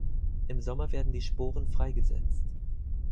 Im Sommer werden die Sporen freigesetzt.